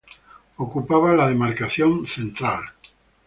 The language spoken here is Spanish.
Ocupaba la demarcación de central.